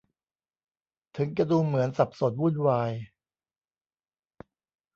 ถึงจะดูเหมือนสับสนวุ่นวาย